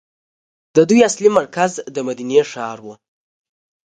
دوی اصلي مرکز د مدینې ښار وو.